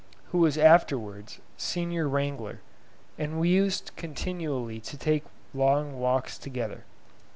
who was afterwards Senior Wrangler, and we used continually to take long walks together.